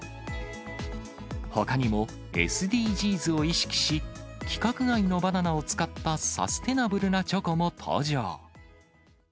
ほかにも、ＳＤＧｓを意識し、規格外のバナナを使ったサステナブルなチョコも登場。